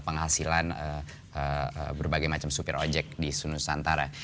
penghasilan berbagai macam supir ojek di sunusantara